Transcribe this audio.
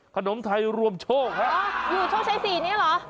ขนมไทยรวมโชคฮะอ๋ออยู่ช่วงชั้นสี่นี้เหรอ